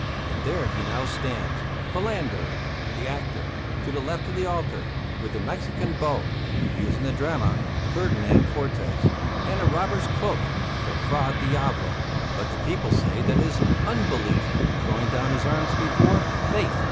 And there he now stands, Falander, the actor, to the left of the altar, with a Mexican bow (used in the drama Ferdinand Cortez) and a robber's cloak (from Fra Diavolo), but the people say that it is Unbelief throwing down his arms before Faith.